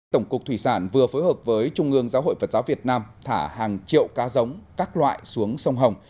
tổng cục thủy sản vừa phối hợp với trung ương giáo hội phật giáo việt nam thả hàng triệu cá giống các loại xuống sông hồng